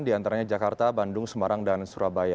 di antaranya jakarta bandung semarang dan surabaya